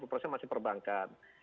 tapi prosesnya masih perbankan